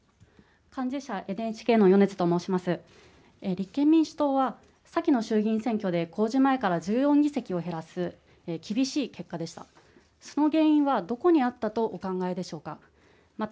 立憲民主党は、先の衆議院選挙で公示前から１４議席を減らす厳しい結果でした。